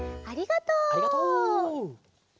ありがとう。